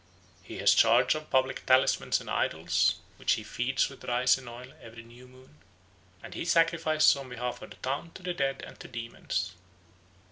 He has charge of the public talismans and idols, which he feeds with rice and oil every new moon; and he sacrifices on behalf of the town to the dead and to demons.